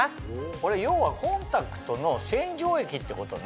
これ要はコンタクトの洗浄液ってことね。